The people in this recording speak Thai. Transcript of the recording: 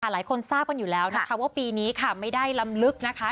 หลายคนทราบกันอยู่แล้วนะคะว่าปีนี้ค่ะไม่ได้ลำลึกนะคะ